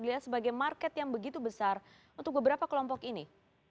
serta sebagai market yang besar untuk beberapa kelompok ini